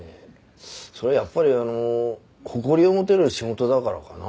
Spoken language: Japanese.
そりゃやっぱりあの誇りを持てる仕事だからかな。